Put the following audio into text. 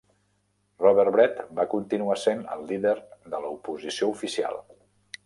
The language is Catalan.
Robert Brett va continuar sent el líder de l'oposició oficial.